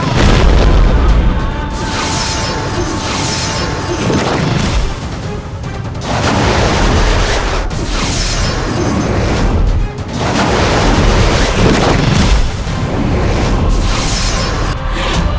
terima kasih kakak